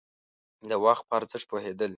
د وخت په ارزښت پوهېدل.